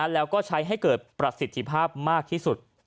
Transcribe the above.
แล้วก็ใช้ให้เกิดประสิทธิภาพมากที่สุด